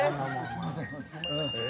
すいません。